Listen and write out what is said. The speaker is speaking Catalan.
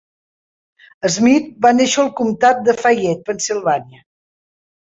Smith va néixer al comtat de Fayette, Pennsilvània.